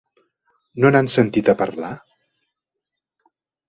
No n'han sentit a parlar?